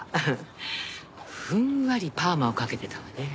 ふんわりパーマをかけてたわね。